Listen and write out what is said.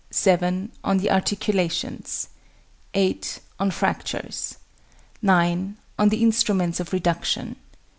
7. On the Articulations. 8. On Fractures. 9. On the Instruments of Reduction.